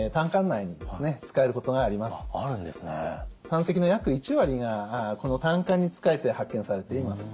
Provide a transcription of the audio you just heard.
胆石の約１割がこの胆管につかえて発見されています。